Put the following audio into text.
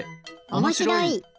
おもしろい！